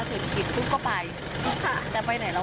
ใช่เหรอต้องไปรู้